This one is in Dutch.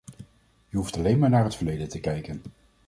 Je hoeft alleen maar naar het verleden te kijken.